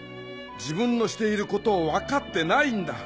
自分のしていることを分かってないんだ。